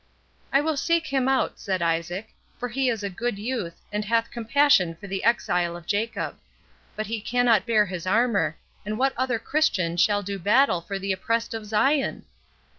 "I will seek him out," said Isaac, "for he is a good youth, and hath compassion for the exile of Jacob. But he cannot bear his armour, and what other Christian shall do battle for the oppressed of Zion?"